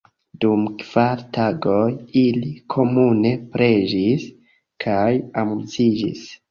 Dum kvar tagoj ili komune preĝis kaj amuziĝis.